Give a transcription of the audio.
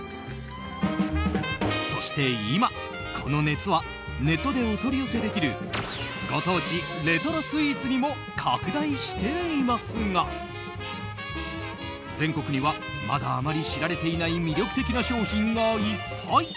そして、今この熱はネットでお取り寄せできるご当地レトロスイーツにも拡大していますが全国にはまだあまり知られていない魅力的な商品がいっぱい。